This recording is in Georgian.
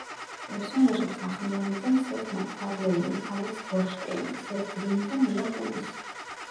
პერსონაჟებს ახმოვანებენ სეთ მაკფარლეინი, ალექს ბორშტეინი, სეთ გრინი და მილა კუნისი.